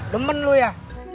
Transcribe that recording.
demen lo ya